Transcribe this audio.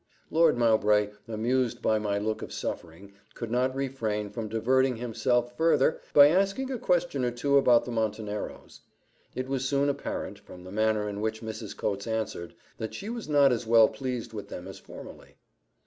Lord Mowbray, amused by my look of suffering, could not refrain from diverting himself further by asking a question or two about the Monteneros. It was soon apparent, from the manner in which Mrs. Coates answered, that she was not as well pleased with them as formerly.